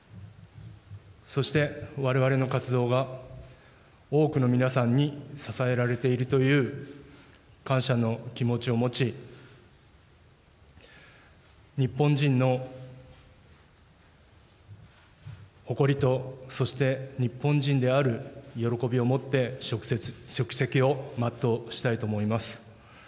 そして、われわれの活動が多くの皆さんに支えられているという感謝の気持ちを持ち、日本人の誇りと、そして日本人である喜びをもって職責を全うしたいと思います。